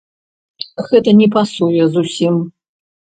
Гэта не пасуе зусім.